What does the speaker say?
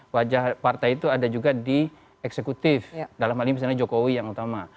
wajah partai itu ada juga di eksekutif dalam hal ini misalnya jokowi yang utama